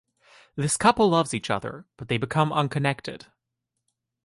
This couple loves each other but they become unconnected.